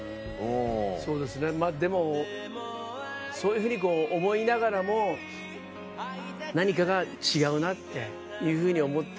そうですねでもそういうふうに思いながらも何かが違うなっていうふうに思って。